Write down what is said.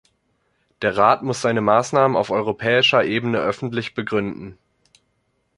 Der Rat muss seine Maßnahmen auf europäischer Ebene öffentlich begründen.